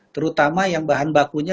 terutama yang bahan bakunya